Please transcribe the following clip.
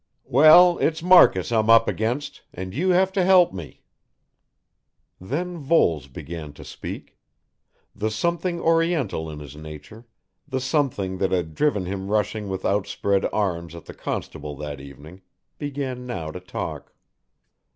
"Well, it's Marcus I'm up against, and you have to help me." Then Voles began to speak. The something Oriental in his nature, the something that had driven him rushing with outspread arms at the constable that evening, began now to talk.